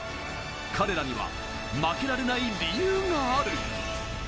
彼らには負けられない理由がある。